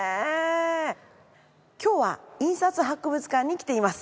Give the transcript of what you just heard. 今日は印刷博物館に来ています。